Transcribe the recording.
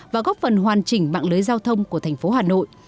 và góp phần hoàn chỉnh mạng lưới giao thông của thành phố hà nội